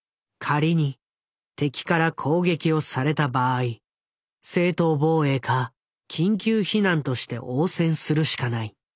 仮に敵から攻撃をされた場合正当防衛か緊急避難として応戦するしかない。